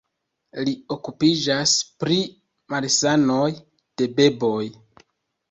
Li okupiĝas pri malsanoj de beboj.